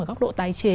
ở góc độ tái chế